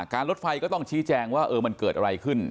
รถไฟก็ต้องชี้แจงว่ามันเกิดอะไรขึ้น